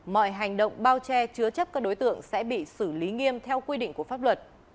mọi hành động bao che chứa chấp các đối tượng sẽ bị xử lý nghiêm theo quy định của pháp luật